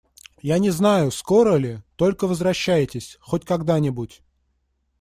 Я не знаю, скоро ли, Только возвращайтесь… хоть когда-нибудь.